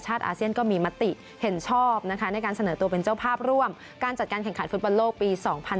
อาเซียนก็มีมติเห็นชอบนะคะในการเสนอตัวเป็นเจ้าภาพร่วมการจัดการแข่งขันฟุตบอลโลกปี๒๐๑๖